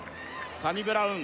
サニブラウン